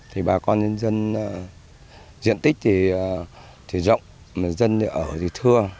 thì bà con nhân dân diện tích thì rộng mà dân thì ở thì thưa